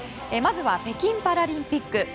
まずは北京パラリンピック。